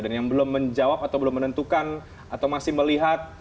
dan yang belum menjawab atau belum menentukan atau masih melihat